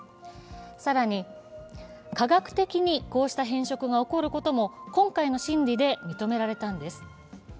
更に、科学的にこうした変色が起こることも今回の審理で認められたんです。